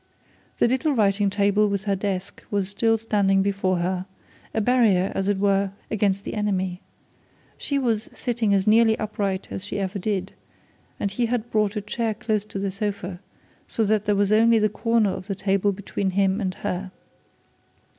The little writing table with her desk was still standing before her, a barrier, as it were, against the enemy. She was sitting as nearly upright as she ever did, and he had brought a chair close to the sofa, so that there was only the corner of the table between him and her.